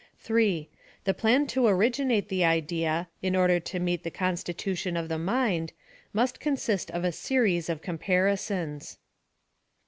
(3.) The plan to originate the idea, in order to meet the constitution of the mind, must consist of a series of comparisons.